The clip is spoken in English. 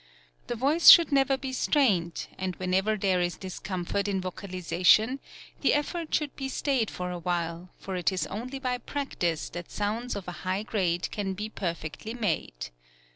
The voice should never be strained, and whenever there is discomfort in vocalization the effort should be stayed for awhile, for it is only by practice that sounds of a. high grade can be perfectly made.